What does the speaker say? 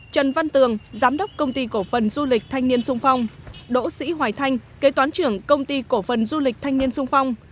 trần văn tường giám đốc công ty cổ phần du lịch thanh niên sung phong đỗ sĩ hoài thanh kế toán trưởng công ty cổ phần du lịch thanh niên sung phong